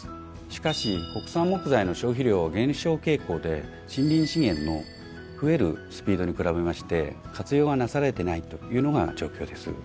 しかし国産木材の消費量は減少傾向で森林資源の増えるスピードに比べまして活用がなされてないというのが状況です。